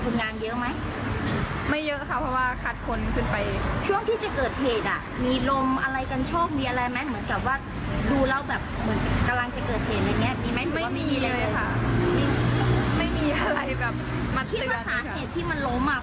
แต่ว่าดูแล้วแบบเหมือนกำลังจะเกิดเหตุแบบเนี้ยมีไหมไม่มีเลยค่ะไม่มีอะไรแบบที่มันล้มอ่ะ